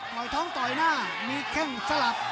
หน่อยท้องต่อยหน้ามีแค่งสลับ